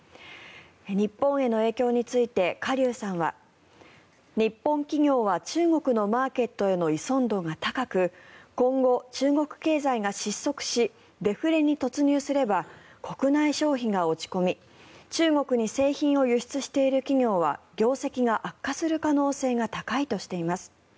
日本への影響についてカ・リュウさんは日本企業は中国のマーケットへの依存度が高く今後、中国経済が失速しデフレに突入すれば国内消費が落ち込み中国に製品を輸出している企業は業績が悪化する可能性が高いとしています。